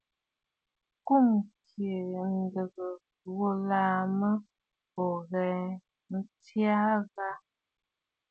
Kùm kɛʼɛ̂ ǹdə̀ ghulà m̀bə ò khə̂ ǹtsya ghâ?